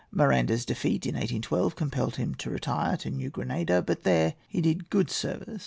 Miranda's defeat in 1812 compelled him to retire to New Granada, but there he did good service.